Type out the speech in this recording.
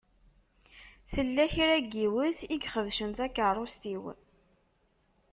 Tella kra n yiwet i ixebcen takeṛṛust-iw.